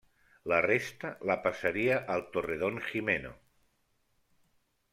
La resta la passaria al Torredonjimeno.